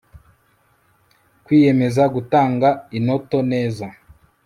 kwiyemeza gutanga inoto neza